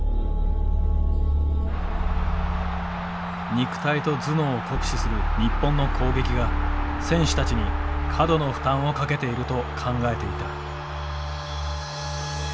肉体と頭脳を酷使する日本の攻撃が「選手たちに過度の負担をかけている」と考えていた。